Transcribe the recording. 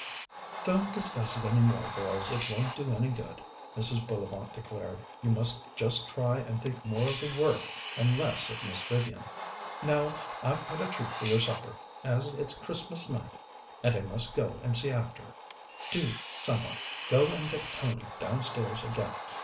"Don't discuss it any more, girls. It won't do any good," Mrs. Bullivant declared. "You must just try and think more of the work and less of Miss Vivian. Now, I've got a treat for your supper, as it's Christmas night, and I must go and see after it. Do, some one, go and get Tony downstairs again.